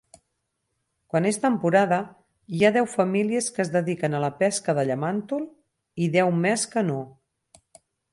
Quan és temporada, hi ha deu famílies que es dediquen a la pesca del llamàntol i deu més que no.